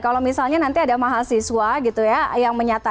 kalau misalnya nanti ada mahasiswa gitu ya